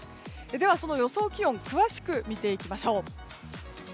では、その予想気温詳しく見ていきましょう。